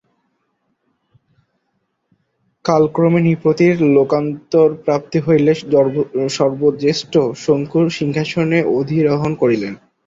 কালক্রমে নৃপতির লোকান্তরপ্রাপ্তি হইলে সর্বজ্যেষ্ঠ শঙ্কু সিংহাসনে অধিরোহণ করিলেন।